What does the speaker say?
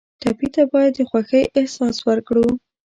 ټپي ته باید د خوښۍ احساس ورکړو.